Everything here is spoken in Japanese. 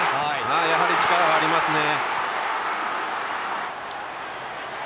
やはり力がありますね。